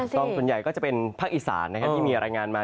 ต้องส่วนใหญ่ก็จะเป็นภาคอีสานที่มีรายงานมา